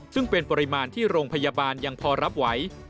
ซึ่งเป็นปริมาณที่โรงพยาบาลยังพอรับไหว